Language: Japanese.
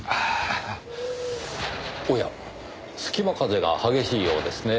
おや隙間風が激しいようですね。